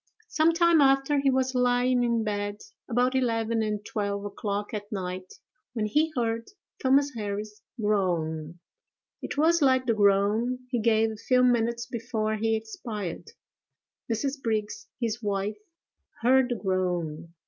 Some time after, he was lying in bed, about eleven and twelve o'clock at night, when he heard Thomas Harris groan; it was like the groan he gave a few minutes before he expired: Mrs. Brigs, his wife, heard the groan.